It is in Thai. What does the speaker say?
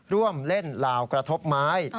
ร่วมเล่นลาวกระทบไม้